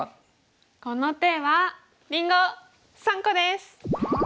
この手はりんご３個です！